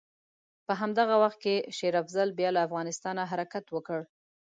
په همدغه وخت کې شېر افضل بیا له افغانستانه حرکت وکړ.